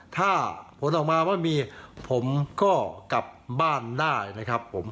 ถ้าผลออกมาว่ามีผมก็กลับบ้านได้นะครับผม